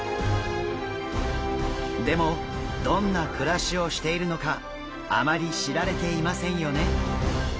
でもどんな暮らしをしているのかあまり知られていませんよね？